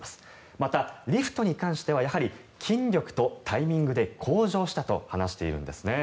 また、リフトに関してはやはり筋力とタイミングで向上したと話しているんですね。